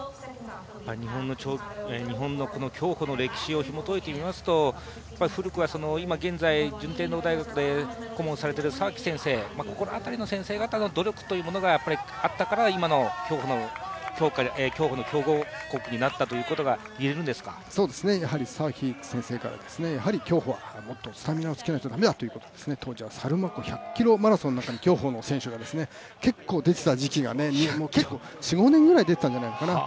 日本の競歩の歴史をひもといてみますと古くは今現在順天堂大学で顧問をされている先生、この辺りの先生方の努力というものがあったから今の競歩の強豪国になったということがやはり先生からもっとスタミナをつけないといけないというので、以前は１００ｋｍ競歩に出ていた選手が４５年ぐらい出てたんじゃないかな。